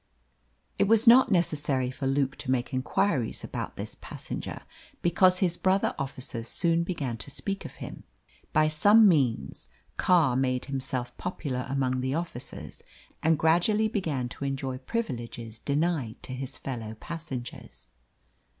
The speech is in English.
It was not necessary for Luke to make inquiries about this passenger, because his brother officers soon began to speak of him. By some means Carr made himself popular among the officers, and gradually began to enjoy privileges denied to his fellow passengers.